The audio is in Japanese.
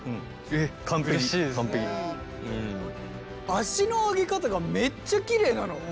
足の上げ方がめっちゃきれいなの。